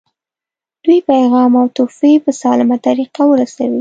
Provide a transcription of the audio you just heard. دوی پیغام او تحفې په سالمه طریقه ورسوي.